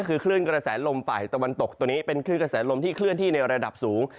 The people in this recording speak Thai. คือคลื่นกระแสลมฝ่ายตะวันตกตัวนี้เป็นคลื่นกระแสลมที่เคลื่อนที่ในระดับสูง